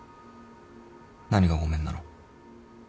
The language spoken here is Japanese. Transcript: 何がごめんなの？